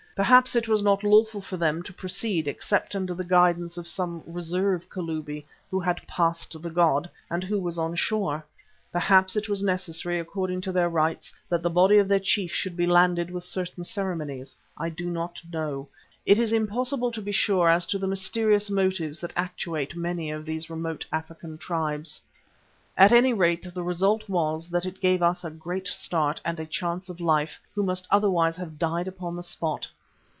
Perhaps it was not lawful for them to proceed except under the guidance of some reserve Kalubi who had "passed the god" and who was on shore. Perhaps it was necessary, according to their rites, that the body of their chief should be landed with certain ceremonies. I do not know. It is impossible to be sure as to the mysterious motives that actuate many of these remote African tribes. At any rate the result was that it gave us a great start and a chance of life, who must otherwise have died upon the spot.